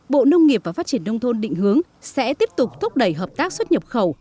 bộ nông nghiệp và phát triển đông thôn định hướng sẽ tiếp tục thúc đẩy hợp tác xuất nhập khẩu